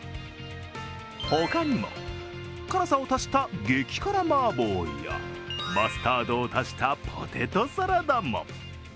他にも、辛さを足した激辛麻婆やマスタードを足したポテトサラダも。